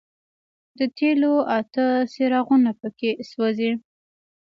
د تېلو اته څراغونه په کې سوځي.